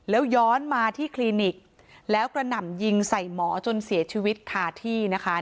แล้วย้อนมาที่คลินิกแล้วกระหน่ำยิงใส่หมอจนเสียชีวิตคาที่นะคะ